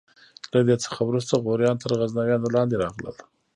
له دې څخه وروسته غوریان تر غزنویانو لاندې راغلل.